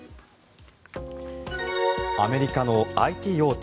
アメリカのＩＴ大手